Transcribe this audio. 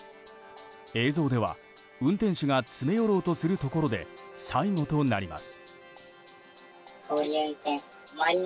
映像では、運転手が詰め寄ろうとするところで最後となります。